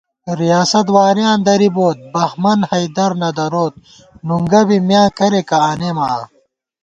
ریاست وارِیاں دَری بوت بہمن حیدر نہ دَروت، نونگہ بی میاں کریَکہ آنېمہ آں